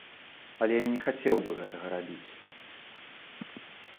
Але я не хацеў бы гэтага рабіць.